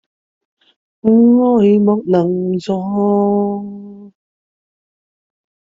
愛莫能助